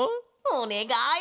おねがい。